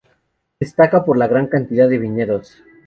Destaca por la gran cantidad de viñedos.